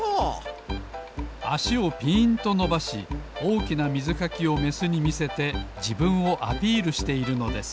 あしをぴーんとのばしおおきなみずかきをメスにみせてじぶんをアピールしているのです。